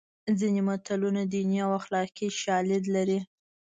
ځینې متلونه دیني او اخلاقي شالید لري